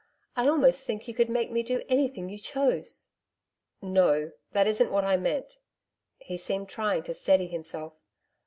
'I almost think you could make me do anything you chose.' 'No that isn't what I meant.' He seemed trying to steady himself.